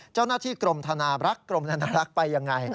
เจ้าหน้าที่กรมธนารักษ์ไปยังไง